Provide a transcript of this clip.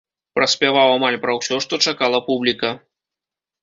Праспяваў амаль пра ўсё, што чакала публіка.